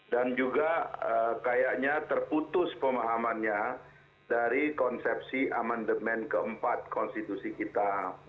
dan juga kayaknya terputus pemahamannya dari konsepsi amendement keempat konstitusi kita